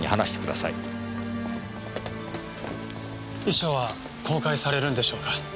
遺書は公開されるんでしょうか？